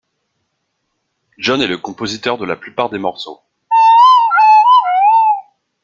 John est le compositeur de la plupart des morceaux.